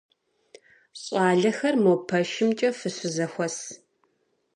Щӏалэхэр мо пэшымкӏэ фыщызэхуэс.